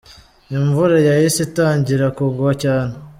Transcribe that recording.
Imvura yahise itangira kugwa cyane.